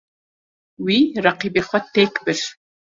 Wî, reqîbê xwe têk bir.